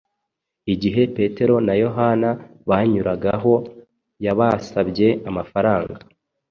Igihe Petero na Yohana bamunyuragaho, yabasabye amafaranga.